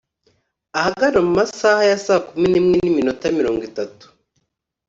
ahagana mu masaha ya saa kumi n’imwe n’iminota mirongo itatu